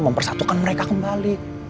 mempersatukan mereka kembali